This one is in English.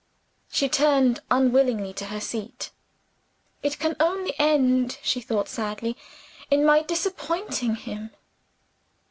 She returned unwillingly to her seat. "It can only end," she thought, sadly, "in my disappointing him!"